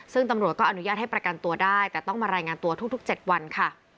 ซึ่งตำรวจก็อนุญาตให้ประกันตัวได้แต่ต้องมารายงานตัวทุก๗วันค่ะ